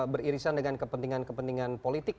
beririsan dengan kepentingan kepentingan politik